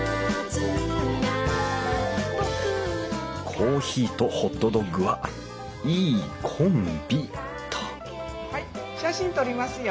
コーヒーとホットドッグはいいコンビっとはい写真撮りますよ。